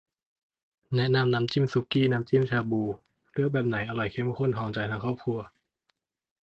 แนะนำน้ำจิ้มสุกี้ น้ำจิ้มชาบู เลือกแบบไหนอร่อยเข้มข้นครองใจทั้งครอบครัว